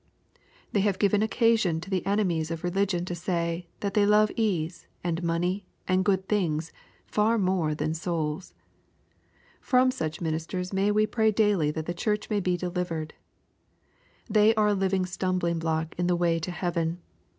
They have given occasion to the enemies of religion to say, that they love ease, and money, and good things, far more than souls. From such ministers may we pray daily that the Church may be delivered I They are a living stumbling block in the way to heaven.